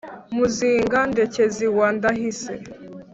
muzinga-ndekezi wa ndahise